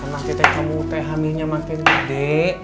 nanti teh kamu kayak hamilnya makin gede